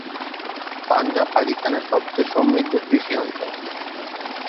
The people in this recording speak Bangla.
পাঞ্জাব পাকিস্তানের সবচেয়ে সমৃদ্ধ কৃষি অঞ্চল।